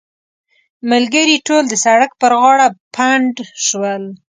ملګري ټول د سړک پر غاړه پنډ شول.